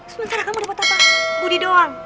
sementara kamu dapat apa budi doang